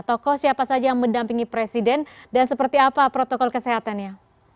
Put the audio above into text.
tokoh siapa saja yang mendampingi presiden dan seperti apa protokol kesehatannya